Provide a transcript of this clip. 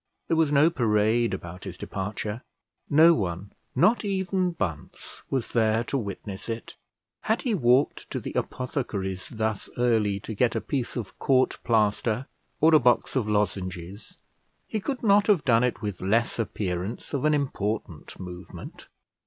There was no parade about his departure; no one, not even Bunce, was there to witness it; had he walked to the apothecary's thus early to get a piece of court plaster, or a box of lozenges, he could not have done it with less appearance of an important movement.